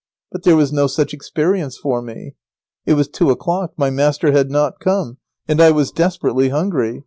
But there was no such experience for me. It was two o'clock, my master had not come, and I was desperately hungry.